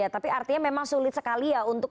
tapi artinya memang sulit sekali ya untuk